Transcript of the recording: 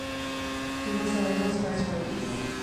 It was the label's first release.